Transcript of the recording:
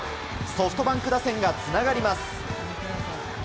ソフトバンク打線がつながります。